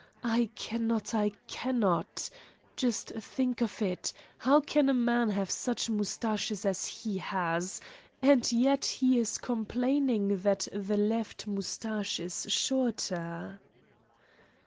I cannot, I cannot! Just think of it! How can a man have such moustaches as he has? And yet he is complaining that the left moustache is shorter!"